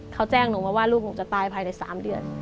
เขาแจ้งหนูมาว่าลูกหนูจะตายภายใน๓เดือน